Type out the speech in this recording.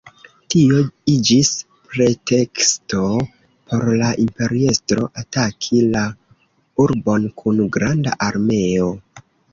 Tio iĝis preteksto por la imperiestro ataki la urbon kun granda armeo.